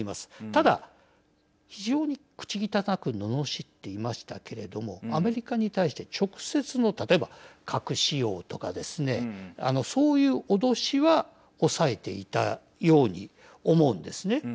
ただ、非常に口汚くののしっていましたけれどもアメリカに対して直接の例えば核使用とかですねそういう脅しは抑えていたように思うんですね。